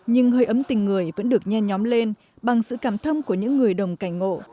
nhưng hơi ấm tình người vẫn được nhen nhóm lên bằng sự cảm thâm của những người đồng cảnh ngộ